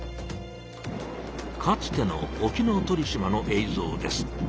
かつての沖ノ鳥島のえいぞうです。